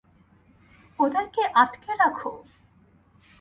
ওদেরকে আটকে রাখো।